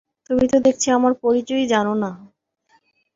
তুমি তো দেখছি আমার পরিচয়ই জানো না!